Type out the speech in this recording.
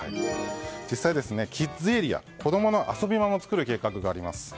実際、キッズエリア子供の遊び場も作る計画があります。